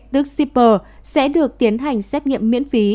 tức shipper sẽ được tiến hành xét nghiệm miễn phí